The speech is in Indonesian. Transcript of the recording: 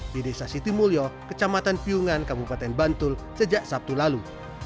di desa sitimulyo kecamatan piungan kabupaten bantul sejak sabtu lalu